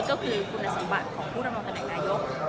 ก็คือคุณสมบัติของผู้ดำรงตำแหน่งนายก